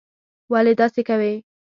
ولي داسې کوې?